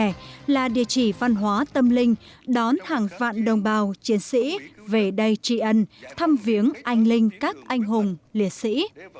đây là địa chỉ văn hóa tâm linh đón hàng vạn đồng bào chiến sĩ về đây tri ân thăm viếng anh linh các anh hùng liệt sĩ